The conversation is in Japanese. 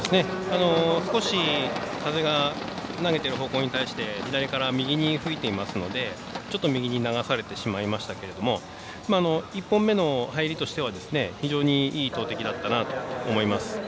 少し、風が投げている方向に対して左から右に吹いていますのでちょっと右に流されてしまいましたけれども１本目の入りとしては非常にいい投てきだったと思います。